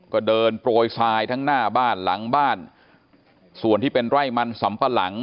ก็เดินโปรยทรายทั้งหน้าบ้านหลังบ้านส่วนที่เป็นไร่มันสำปะหลัง